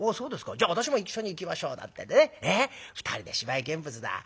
じゃあ私も一緒に行きましょう』なんてんでね２人で芝居見物だ。